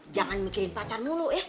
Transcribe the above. jangan mikirin pacar dulu ya